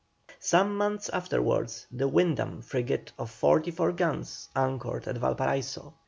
Some months afterwards the Wyndham frigate of 44 guns anchored at Valparaiso.